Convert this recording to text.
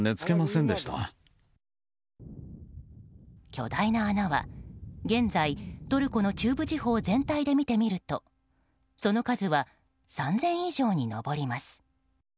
巨大な穴は現在、トルコの中部地方全体で見てみるとその数は３０００以上に上ります。